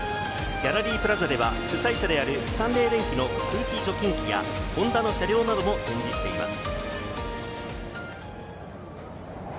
ギャラリープラザでは主催者であるスタンレー電気の空気除菌機や、ホンダの車両なども展示しています。